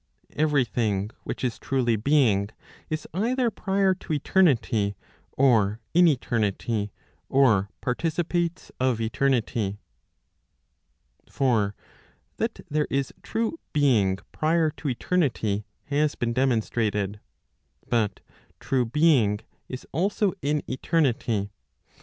Every thing* which is truly being, is either prior to eternity, or in eternity, or participates of eternity. For that there is true being prior to eternity has been demonstrated. But true being is also in eternity.